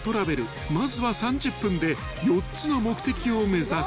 ［まずは３０分で４つの目的を目指す］